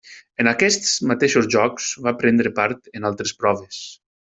En aquests mateixos Jocs va prendre part en altres proves.